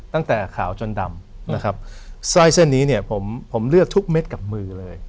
ตั้งแต่ขาวจนดำนะครับใส่เส้นนี้ผมเลือกทุกเม็ดกับมือเลย